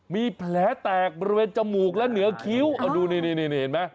มีแผลแตกบริเวณจมูกและเหนือคิ้วเอาดูนี่เห็นไหม